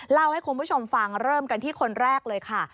เล่าให้คุณผู้ชมฟังเริ่มกันที่คนแรกเลยค่ะ